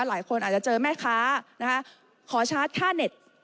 หลายคนอาจจะเจอแม่ค้านะคะขอชาร์จค่าเน็ต